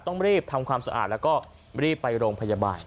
ต้องรีบทำความสะอาดแล้วก็รีบไปโรงพยาบาล